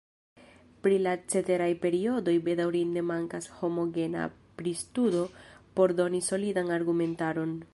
Pri la ceteraj periodoj bedaŭrinde mankas homogena pristudo por doni solidan argumentaron.